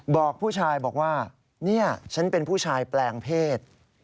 บอกผู้ชายบอกว่านี่ฉันเป็นผู้ชายแปลงเพศ